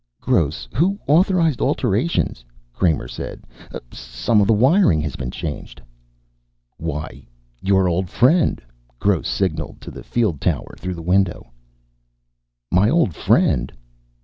"Gross, who authorized alterations?" Kramer said. "Some of the wiring has been changed." "Why, your old friend." Gross signaled to the field tower through the window. "My old friend?"